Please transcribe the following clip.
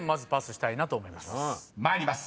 ［参ります。